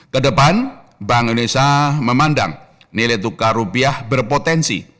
kedepan bank indonesia memandang nilai tukar rupiah berpotensi